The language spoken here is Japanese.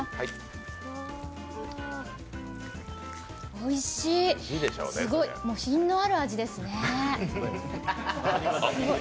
おいしい品のある味ですね。